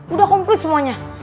udah komplit semuanya